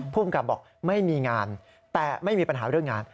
ผู้กำกับบอกไม่มีงานไม่มีปัญหาเรื่องงาน